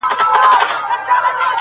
څنګ ته د میخورو به د بنګ خبري نه کوو!.